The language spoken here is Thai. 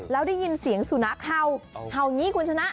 แล้วได้ยินเสียงสุนัขเห่านี้คุณชนะ